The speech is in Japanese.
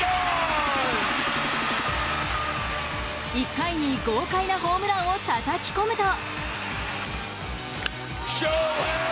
１回に豪快なホームランをたたき込むと。